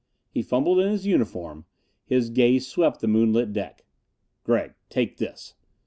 He fumbled in his uniform; his gaze swept the moonlit deck. "Gregg take this."